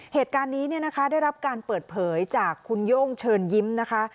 เหตุการณ์นี้เนี่ยนะคะได้รับการเปิดเผยจากคุณโย่งเชิญยิ้มนะคะ